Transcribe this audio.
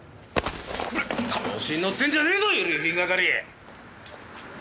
調子に乗ってんじゃねえぞ遺留品係！